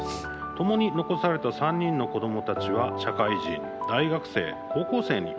ともに残された３人の子どもたちは社会人、大学生、高校生に。